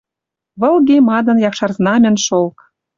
Вылге мадын якшар знамӹн шелк.